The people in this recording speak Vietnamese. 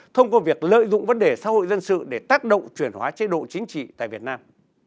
thông qua việc lợi dụng vấn đề xã hội dân sự để tác động truyền hóa chế độ chính trị tại việt nam